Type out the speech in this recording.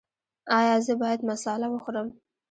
ایا زه باید مساله وخورم؟